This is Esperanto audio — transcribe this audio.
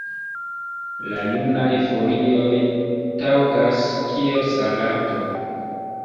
La junaj folioj taŭgas kiel salato.